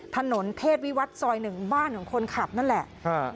ถนนเทศวิวัตรซอย๑บ้านของคนขับนั่นแหละ